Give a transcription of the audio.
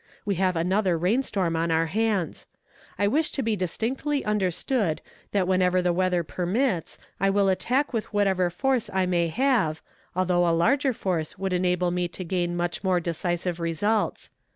We have another rain storm on our hands. I wish to be distinctly understood that whenever the weather permits I will attack with whatever force I may have, although a larger force would enable me to gain much more decisive results.